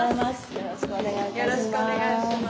よろしくお願いします。